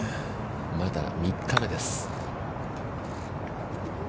まだ３日目です。